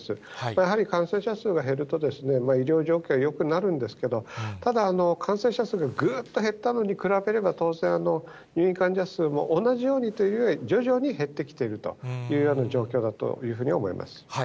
やはり感染者数が減ると、医療状況はよくなるんですけど、ただ、感染者数がぐーっと減ったのに比べれば、当然、入院患者数も、同じようにというよりは、徐々に減ってきているというような状況だというふうに思います。